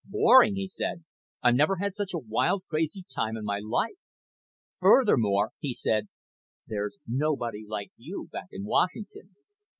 "Boring!" he said. "I've never had such a wild, crazy time in my life. Furthermore," he said, "there's nobody like you back in Washington."